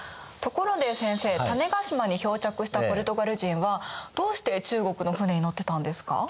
ところで先生種子島に漂着したポルトガル人はどうして中国の船に乗ってたんですか？